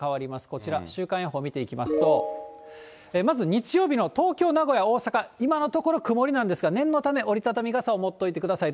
こちら、週間予報見ていきますと、まず日曜日の東京、名古屋、大阪、今のところ曇りなんですが、念のため折り畳み傘を持っておいてください。